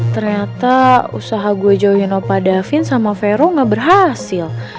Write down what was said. ternyata usaha gue jauhin opa davin sama vero gak berhasil